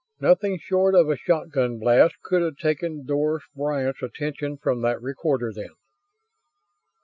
Nothing short of a shotgun blast could have taken Doris Bryant's attention from that recorder then.